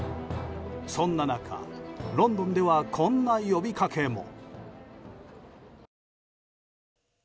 そんな中、ロンドンではこんな呼びかけも。